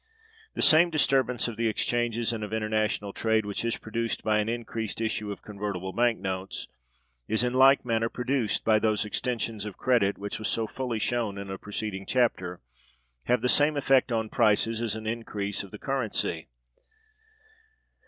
The same disturbance of the exchanges and of international trade which is produced by an increased issue of convertible bank notes is in like manner produced by those extensions of credit which, as was so fully shown in a preceding chapter, have the same effect on prices as an increase of the currency.